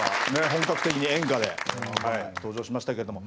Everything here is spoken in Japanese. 本格的に演歌で登場しましたけども。